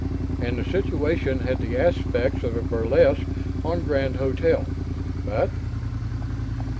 And the situation had the aspects of a || burlesque on Grand Hotel, but....